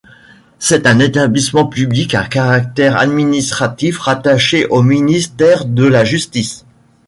C'est un établissement public à caractère administratif rattaché au ministère de la Justice.